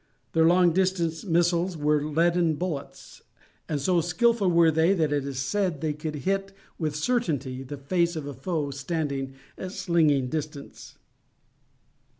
Their long distance missiles were leaden bullets, and so skilful were they that it is said they could hit with certainty the face of a foe standing at slinging distance.